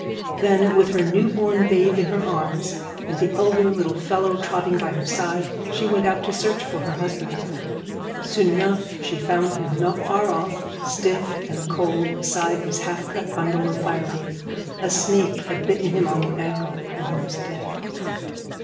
Then, with her new born babe in her arms and the elder little fellow trotting by her side, she went out to search for her husband. Soon enough she found him, not far off, stiff and cold beside his half cut bundle of firewood. A snake had bitten him on the ankle, and he was dead.